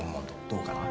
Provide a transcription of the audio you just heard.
どうかな？